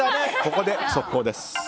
ここで速報です。